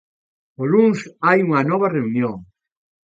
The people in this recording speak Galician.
O luns hai unha nova reunión.